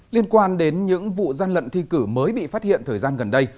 liên quan đến những vụ gian lận thi cử mới bị phát hiện thời gian gần đây